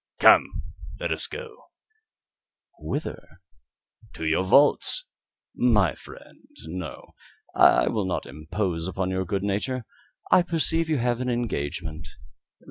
"Come, let us go." "Whither?" "To your vaults." "My friend, no; I will not impose upon your good nature. I perceive you have an engagement.